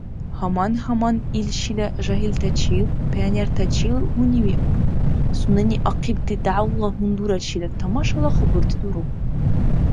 Гьаман-гьаман ил шила жагьилтачил, пионертачил гьунивиур, сунени ахъибти дявла гьундурачила тамашала хабурти дуру.